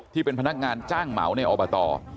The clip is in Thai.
ที่เป็นพนักงานจ้างเหมาในอบต